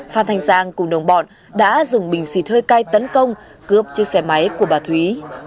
phan thanh giang cùng đồng bọn đã dùng bình xịt hơi cay tấn công cướp chiếc xe máy của bà thúy